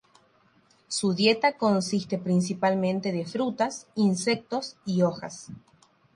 Su dieta consiste principalmente de frutas, insectos y hojas.